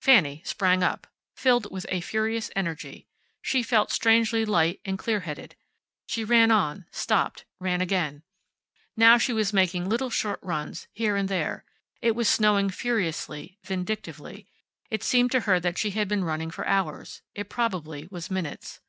Fanny sprang up, filled with a furious energy. She felt strangely light and clear headed. She ran on, stopped, ran again. Now she was making little short runs here and there. It was snowing furiously, vindictively. It seemed to her that she had been running for hours. It probably was minutes.